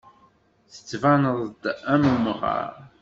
Tettbaneḍ-d am umɣar.